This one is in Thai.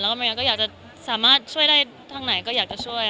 แล้วอยากจะฮามาช่วยได้ทางไหนก็อยากจะช่วยค่ะ